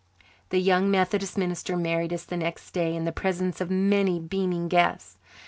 The young Methodist minister married us the next day in the presence of many beaming guests.